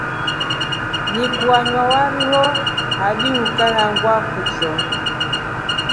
Niku wanywa wari wo hadi ukanangwa kutro.